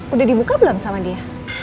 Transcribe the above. udah dibuka belum sama dia